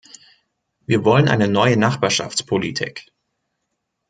Wir wollen eine neue Nachbarschaftspolitik.